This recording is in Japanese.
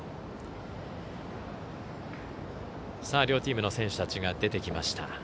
両チームの選手たちが出てきました。